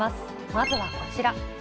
まずはこちら。